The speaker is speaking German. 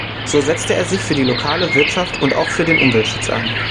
So setzte er sich für die lokale Wirtschaft und auch für den Umweltschutz ein.